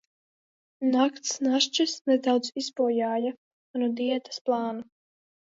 Nakts našķis nedaudz izbojāja manu diētas plānu.